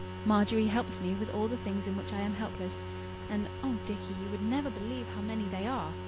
Margery helps me with all the things in which I am helpless; and, oh Dicky, you would never believe how many they are!